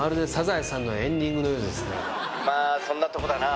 まぁそんなとこだな。